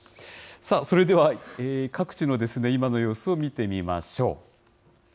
さあ、それでは各地の今の様子を見てみましょう。